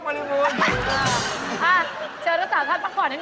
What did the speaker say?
ใช่เพราะที่ใส่นี่ใส่ถุงประติกนะผัชนะแบบง่ายเลย